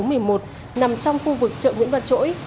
nằm trong khu vực chợ nguyễn văn trỗi